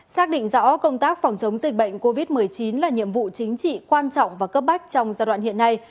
xác định rõ công tác phòng chống dịch bệnh covid một mươi chín là nhiệm vụ chính trị quan trọng và cấp bách trong giai đoạn hiện nay